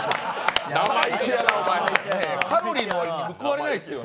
カロリーの割に報われないですよね。